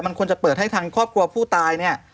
มันควรจะเปิดให้ทางครอบครัวผู้ตายเนี่ย